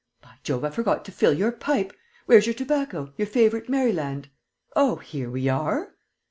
By Jove, I forgot to fill your pipe! Where's your tobacco, your favourite Maryland?... Oh, here we are!..."